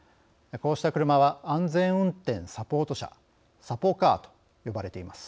こうした車は「安全運転サポート車」「サポカー」と呼ばれています。